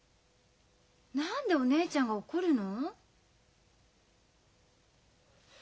何でお姉ちゃんが怒るの？